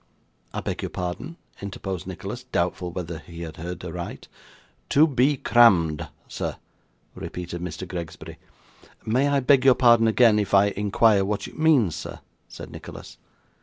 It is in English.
'I beg your pardon,' interposed Nicholas, doubtful whether he had heard aright. ' To be crammed, sir,' repeated Mr. Gregsbury. 'May I beg your pardon again, if I inquire what you mean, sir?' said Nicholas.